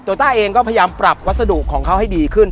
ต้าเองก็พยายามปรับวัสดุของเขาให้ดีขึ้น